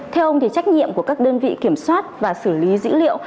theo ông thì trách nhiệm của các đơn vị kiểm soát và xử lý dữ liệu